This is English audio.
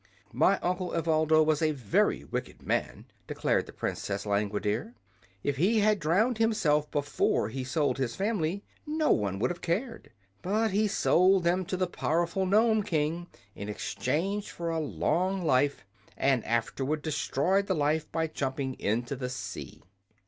"My uncle Evoldo was a very wicked man," declared the Princess Langwidere. "If he had drowned himself before he sold his family, no one would have cared. But he sold them to the powerful Nome King in exchange for a long life, and afterward destroyed the life by jumping into the sea."